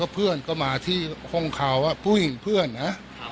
เพื่อนก็มาที่ห้องเขาผู้หญิงเพื่อนนะ